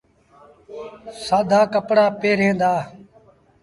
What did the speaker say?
سآدآ ڪپڙآ پهريٚݩ دآ۔